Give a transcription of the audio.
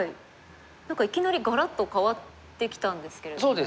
何かいきなりガラッと変わってきたんですけれども。